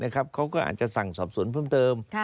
เขาก็อาจจะสั่งสอบสวนเพิ่มเติม